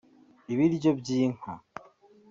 ibiryo by’inka